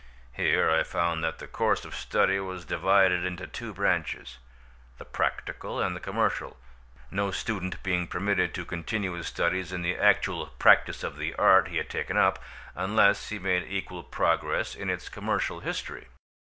Here I found that the course of study was divided into two branches—the practical and the commercial—no student being permitted to continue his studies in the actual practice of the art he had taken up, unless he made equal progress in its commercial history.